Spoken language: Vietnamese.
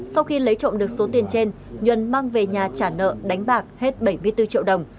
sau khi lấy trộm được số tiền trên nhuần mang về nhà trả nợ đánh bạc hết bảy mươi bốn triệu đồng